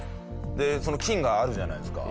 でその菌があるじゃないですか。